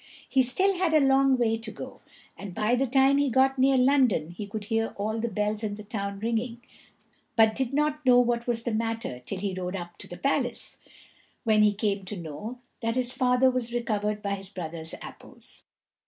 He had still a long way to go, and by the time he got near London he could hear all the bells in the town ringing, but did not know what was the matter till he rode up to the palace, when he came to know that his father was recovered by his brothers' apples.